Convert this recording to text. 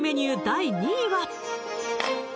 第２位は？